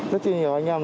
rất nhiều anh em